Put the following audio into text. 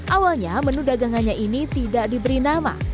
awalnya menu dagangannya ini tidak diberi nama